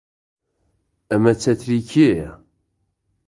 ئەمە چەتری کێیە؟